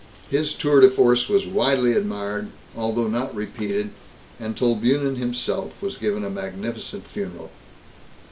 His tour de force was widely admired, although not repeated, and Tolbunin himself was given a magnificent funeral.